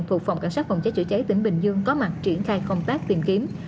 thuộc phòng cảnh sát phòng cháy chữa cháy tỉnh bình dương có mặt triển khai công tác tìm kiếm